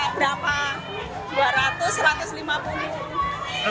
terus dapat apa nih dari bantuan